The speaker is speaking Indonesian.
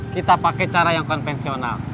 kita pakai cara yang konvensional